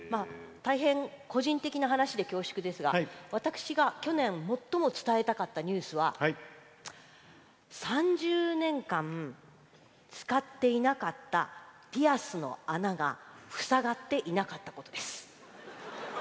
大変、個人的な話で恐縮ですが私が去年最も伝えたかったニュースは３０年間使っていなかったピアスの穴が塞がっていなかったことです。